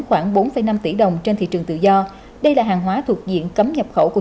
khoảng bốn năm tỷ đồng trên thị trường tự do đây là hàng hóa thuộc diện cấm nhập khẩu của